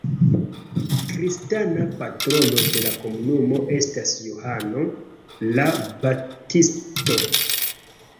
Kristana patrono de la komunumo estas Johano la Baptisto.